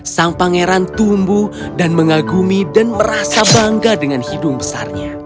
sang pangeran tumbuh dan mengagumi dan merasa bangga dengan hidung besarnya